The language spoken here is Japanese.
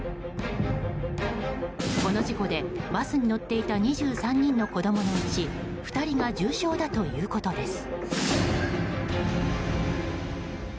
この事故でバスに乗っていた２３人の子供のうち２人が重傷だということです。